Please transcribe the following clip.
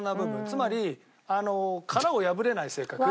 つまりあの殻を破れない性格。